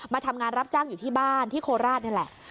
ทำงานรับจ้างอยู่ที่บ้านที่โคราชนี่แหละ